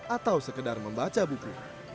atau sekedar membaca buku